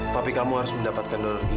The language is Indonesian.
tapi kamu harus mendapatkan